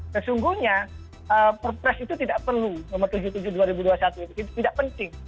dan sungguhnya per press itu tidak perlu nomor tujuh puluh tujuh tahun dua ribu dua puluh satu itu tidak penting